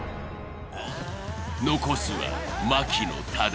残すは槙野ただ